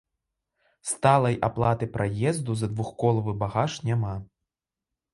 Сталай аплаты праезду за двухколавы багаж няма.